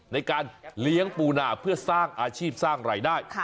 ในการเลี้ยงปูนาเพื่อสร้างอาชีพสร้างรายได้